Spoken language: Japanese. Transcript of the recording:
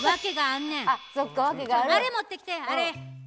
あれ持ってきてあれ。